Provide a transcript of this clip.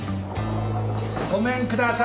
ごめんください。